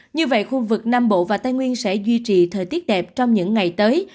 như vậy khu vực nam bộ và tây nguyên sẽ duy trì thời tiết đẹp trong những ngày tới